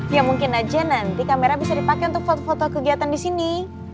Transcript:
ya mungkin aja nanti kamera bisa dipakai untuk foto foto kegiatan di sini